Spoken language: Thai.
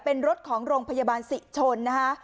เป็นรถของโรงพยาบาลศิชนนะคะ